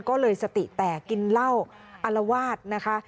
ก็เลยสติแตกกินเหล้าอารวาสนะคะ